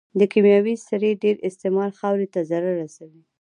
د کيمياوي سرې ډېر استعمال خاورې ته ضرر رسوي.